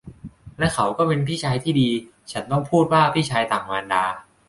และเขาก็เป็นพี่ชายที่ดี - ฉันต้องพูดว่าพี่ชายต่างมารดา